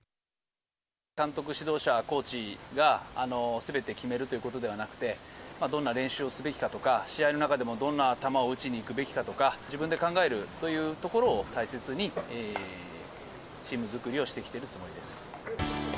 監督、指導者、コーチが、すべて決めるということではなくて、どんな練習をすべきかとか、試合の中でもどんな球を打ちに行くべきかとか、自分で考えるというところを大切に、チーム作りをしてきてるつもりです。